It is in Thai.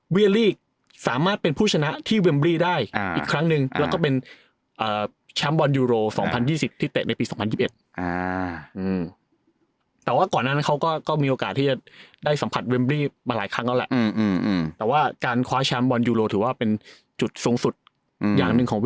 เวียรี่สามารถเป็นผู้ชนะที่เวียมบรีได้อีกครั้งนึง